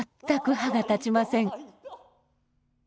全く歯が立ちません。